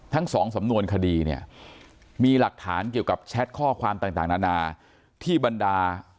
ทั้งสองสำนวนคดีเนี่ยมีหลักฐานเกี่ยวกับแชทข้อความต่างนานาที่บรรดา